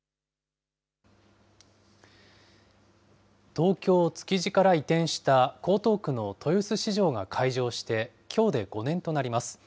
東京・築地から移転した、江東区の豊洲市場が開場してきょうで５年となります。